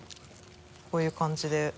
こういう感じで。